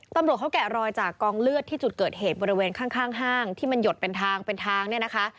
ตำรวจเขาแกะรอยจากกองเลือดที่จุดเกิดเหตุบริเวณข้างห้างที่มันหยดเป็นทางเป็นทางเนี่ยนะคะ